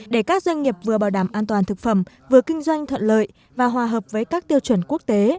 để các doanh nghiệp vừa bảo đảm an toàn thực phẩm vừa kinh doanh thuận lợi và hòa hợp với các tiêu chuẩn quốc tế